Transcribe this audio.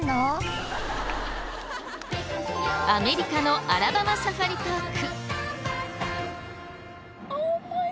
アメリカのアラバマサファリパーク。